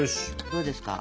どうですか？